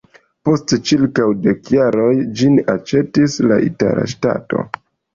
Post ĉirkaŭ dek jaroj ĝin aĉetis la itala ŝtato.